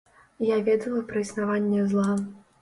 Я ведала пра існаванне зла.